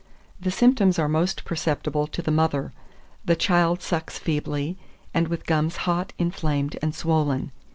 The symptoms are most perceptible to the mother: the child sucks feebly, and with gums hot, inflamed, and swollen.